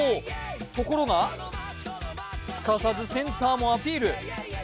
ところが、すかさずセンターもアピール。